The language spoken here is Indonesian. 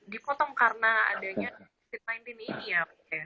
dipotong karena adanya tim tim ini ya